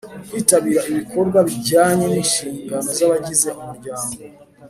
-kwitabira ibikorwa bijyanye n’inshingano z’abagize umuryango;